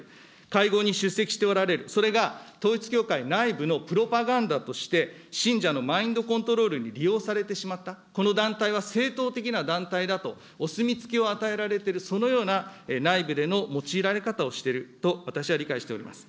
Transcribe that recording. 会合に出席しておられる、それが統一教会内部のプロパガンダとして、信者のマインドコントロールに利用されてしまった、この団体は正統的な団体だとお墨付きを与えられてる、そのような内部での用いられ方をしていると、私は理解しております。